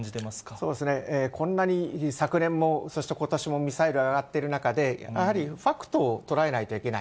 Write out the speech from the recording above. こんなに昨年も、そしてことしもミサイル上がってる中で、やはりファクトを捉えないといけない。